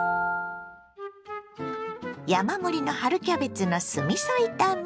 山盛りの春キャベツの酢みそ炒め。